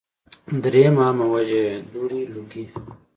دريمه عامه وجه ئې دوړې ، لوګي